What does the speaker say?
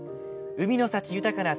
海の幸豊かな